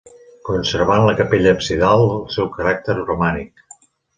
Conservant la capella absidal el seu caràcter romànic.